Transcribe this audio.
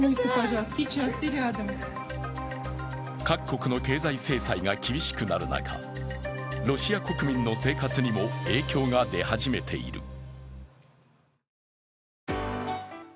各国の経済制裁が厳しくなる中、ロシア国民の生活にも影響が出始めている。